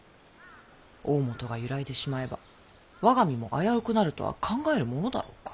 大本が揺らいでしまえば我が身も危うくなるとは考えぬものだろうか。